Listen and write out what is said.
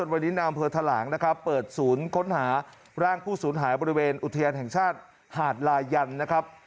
วันนี้นายอำเภอทะหลางนะครับเปิดศูนย์ค้นหาร่างผู้สูญหายบริเวณอุทยานแห่งชาติหาดลายันนะครับ